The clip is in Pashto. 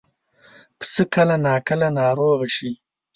پسه کله ناکله ناروغه شي.